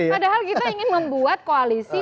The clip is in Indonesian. padahal kita ingin membuat koalisi